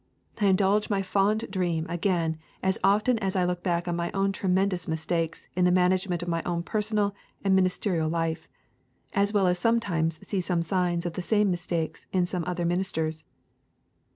I indulge my fond dream again as often as I look back on my own tremendous mistakes in the management of my own personal and ministerial life, as well as sometimes see some signs of the same mistakes in some other ministers.